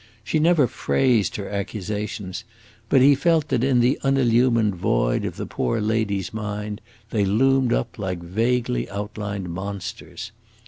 She never phrased her accusations, but he felt that in the unillumined void of the poor lady's mind they loomed up like vaguely outlined monsters.